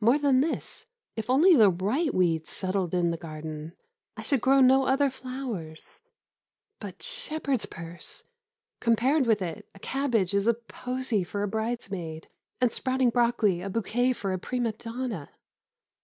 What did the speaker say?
More than this, if only the right weeds settled in the garden, I should grow no other flowers. But shepherd's purse! Compared with it, a cabbage is a posy for a bridesmaid, and sprouting broccoli a bouquet for a prima donna.